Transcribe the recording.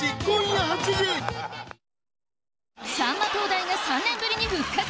「さんま東大」が３年ぶりに復活。